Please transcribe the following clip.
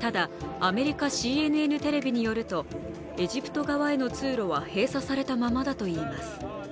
ただ、アメリカＣＮＮテレビによると、エジプト側への通路は閉鎖されたままだといいます。